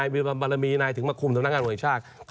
เมื่อบัดลำมีมาคุมงานวงชาติ